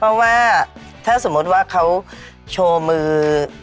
เพราะว่าถ้าสมมุติว่าเขาโชว์มือ